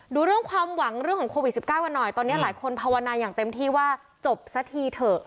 ดูเรื่องความหวังเรื่องของโควิด๑๙กันหน่อยตอนนี้หลายคนภาวนาอย่างเต็มที่ว่าจบซะทีเถอะ